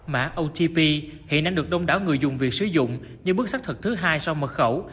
mã otp hiện đang được đông đảo người dùng việc sử dụng như bước xác thật thứ hai sau mật khẩu